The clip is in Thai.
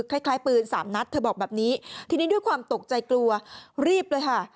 คล้ายปืนสามนัดเธอบอกแบบนี้ทีนี้ด้วยความตกใจกลัวรีบเลยค่ะ